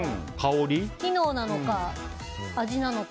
機能なのか味なのか。